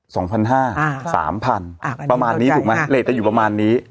สองพันห้าอ่าสามพันอ่าประมาณนี้ถูกไหมเลสจะอยู่ประมาณนี้